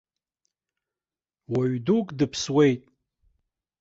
Уаҩ дук дыԥсуеит.